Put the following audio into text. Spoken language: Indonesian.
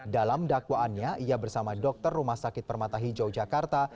dalam dakwaannya ia bersama dokter rumah sakit permata hijau jakarta